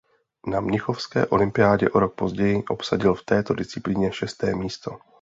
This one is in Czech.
Na mnichovské olympiádě o rok později obsadil v této disciplíně šesté místo.